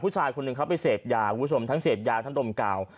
ผู้ชายคนหนึ่งเขาไปเสพยาคุณผู้ชมทั้งเสพยาทั้งดมกาว